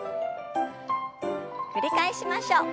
繰り返しましょう。